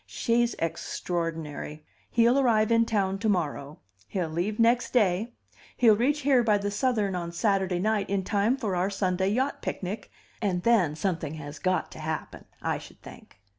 She's extraordinary. He'll arrive in town to morrow, he'll leave next day, he'll reach here by the Southern on Saturday night in time for our Sunday yacht picnic, and then something has got to happen, I should think."